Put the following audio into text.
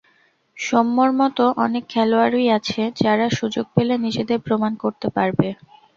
সৌম্যর মতো অনেক খেলোয়াড়ই আছে, যারা সুযোগ পেলে নিজেদের প্রমাণ করতে পারবে।